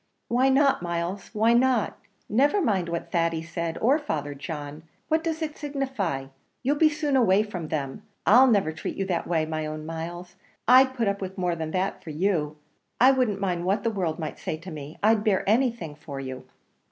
"Why not, Miles? why not? never mind what Thady said or Father John. What does it signify? you'll be soon away from them. I'll never treat you that way, my own Myles I'd put up with more than that for you I wouldn't mind what the world might say to me I'd bear anything for you!"